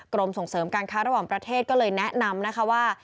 กรมส่งเสริมการค้าระหว่างประเทศก็เลยแนะนำนะคะว่า